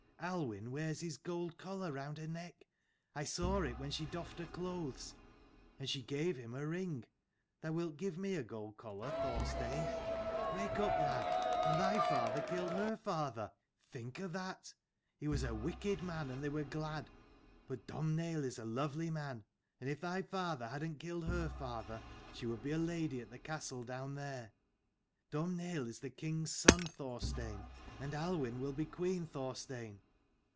Aluinn wears his gold collar round her neck: I saw it when she doffed her clothes. And she gave him her ring. Thou wilt give me a gold collar, Thorstein? Wake up, lad! And thy father 125 CHAPTER XXII. THORSTEIN SEES HIS FATHER. killed her father, think of that! He was a wicked man, and they were glad. But Domh naill is a lovely man. And if thy father hadn't killed her father, she would be a lady at the Castle down there. Domhnaill is the king's son, Thorstein: and Aluinn will be queen, Thorstein.